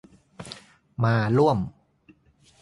มาร่วม